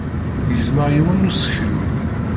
Gezmeɣ yiwen n useklu.